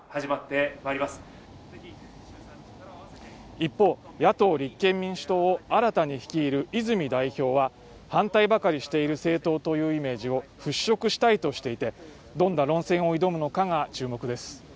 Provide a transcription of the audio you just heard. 一方野党立憲民主党を新たに率いる泉代表は反対ばかりしている政党というイメージを払拭したいとしていてどんな論戦を挑むのかが注目です